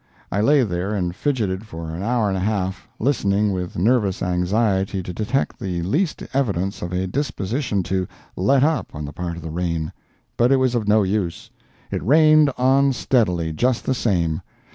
I lay there and fidgeted for an hour and a half, listening with nervous anxiety to detect the least evidence of a disposition to "let up" on the part of the rain. But it was of no use. It rained on steadily, just the same.